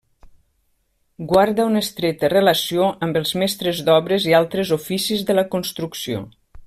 Guarda una estreta relació amb els mestres d'obres i altres oficis de la construcció.